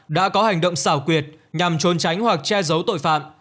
đã có hành động xảo quyệt nhằm trốn tránh hoặc che giấu tội phạm